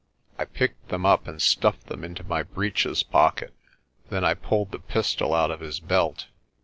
I picked them up and stuffed them into my breeches pocket. Then I pulled the pistol out of his belt.